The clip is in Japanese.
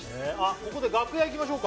ここで楽屋いきましょうか。